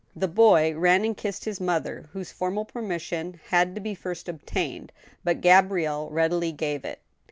The boy ran and kissed his mother, whose formal permission had to be first obtained, but Gabrielle readily gave it.